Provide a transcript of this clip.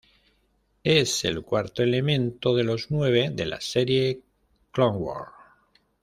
Es el cuarto elemento de los nueve de la serie Clone Wars.